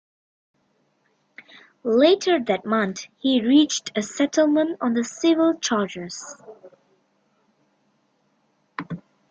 Later that month he reached a settlement on the civil charges.